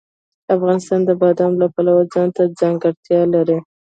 افغانستان د بادام د پلوه ځانته ځانګړتیا لري.